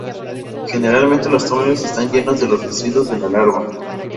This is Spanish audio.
Generalmente los túneles están llenos de los residuos de la larva.